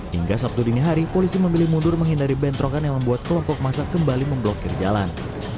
hingga sabtu dini hari polisi memilih mundur menghindari bentrokan yang membuat kelompok masa kembali memblokir jalan